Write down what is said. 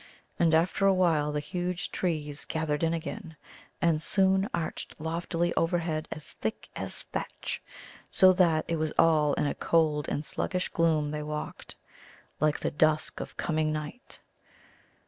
And, after a while, the huge trees gathered in again, and soon arched loftily overhead as thick as thatch, so that it was all in a cold and sluggish gloom they walked, like the dusk of coming night.